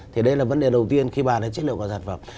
thì đây là vấn đề đầu tiên khi bàn đến chất lượng của sản phẩm